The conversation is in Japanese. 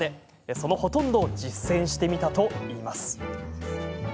そのほとんどを実践してみたといいます。